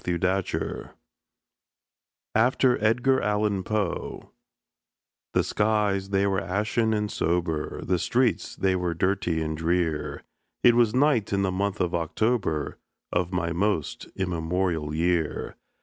THE WILLOWS (AFTER EDGAR ALLAN POE) The skies they were ashen and sober, The streets they were dirty and drear; It was night in the month of October, Of my most immemorial year.